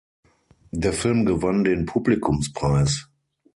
Der Film gewann den Publikumspreis.